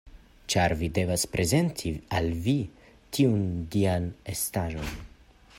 Ĉar vi devas prezenti al vi tiun dian estaĵon!